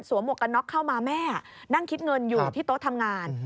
หมวกกันน็อกเข้ามาแม่นั่งคิดเงินอยู่ที่โต๊ะทำงาน